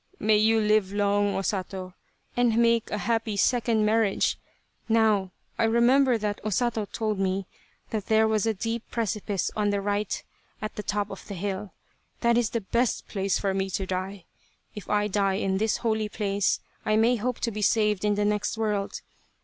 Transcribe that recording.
May you live long, O Sato ! and make a happy second marriage ! Now, I re member that O Sato told me that there was a deep precipice on the right at the top of the hill. That is the best place for me to die. If I die in this holy place, I may hope to be saved in the next world.